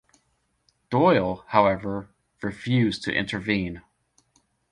Doyle, however, refused to intervene.